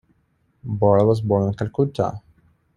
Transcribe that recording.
Boral was born in Calcutta.